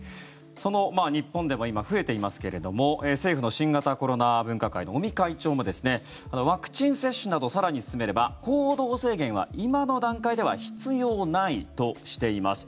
日本でも増えていますが政府の新型コロナ分科会の尾身会長もワクチン接種などを更に進めれば行動制限は今の段階では必要ないとしています。